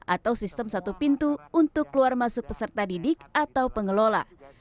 atau sistem satu pintu untuk keluar masuk peserta didik atau pengelola